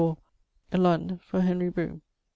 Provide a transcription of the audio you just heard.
Lond. for Henry Broome.